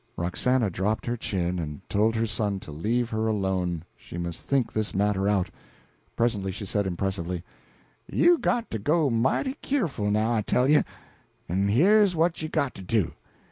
Roxana dropped her chin, and told her son to leave her alone she must think this matter out. Presently she said impressively: "You got to go mighty keerful now, I tell you! En here's what you got to do.